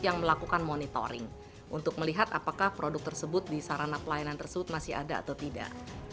yang melakukan monitoring untuk melihat apakah produk tersebut di sarana pelayanan tersebut masih ada atau tidak